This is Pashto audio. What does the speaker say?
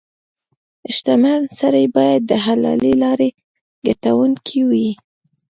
• شتمن سړی باید د حلالې لارې ګټونکې وي.